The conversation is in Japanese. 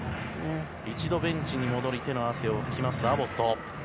一度ベンチに戻り手の汗を拭くアボット。